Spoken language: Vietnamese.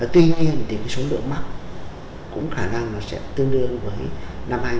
tuy nhiên thì cái số lượng mắc cũng khả năng nó sẽ tương đương với năm hai nghìn một mươi chín